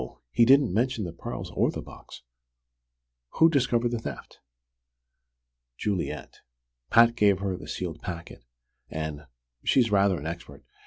He didn't mention the pearls or the box. Who discovered the theft?" "Juliet. Pat gave her the sealed packet, and she's rather an expert!